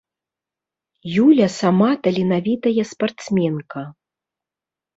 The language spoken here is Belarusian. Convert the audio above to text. Юля сама таленавітая спартсменка.